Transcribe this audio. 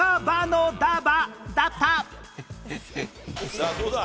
さあどうだ？